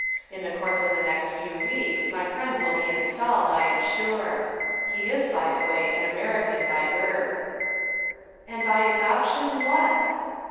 In the course of the next few weeks my friend will be installed, I am sure. He is, by the way, an American by birth." ''And by adoption what?"